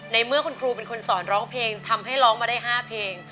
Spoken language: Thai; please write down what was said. ในเมื่อคุณครูเป็นคนสอนร้องเพลงทำให้ร้องมาได้๕เพลง